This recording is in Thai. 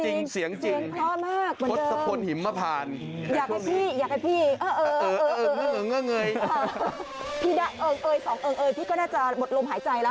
ลืมเผินนะแปลงของไทยมาเพลงชัวร์ไทย